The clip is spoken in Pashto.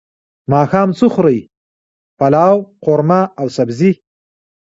ماښام څه خورئ؟ پلاو، قورمه او سبزی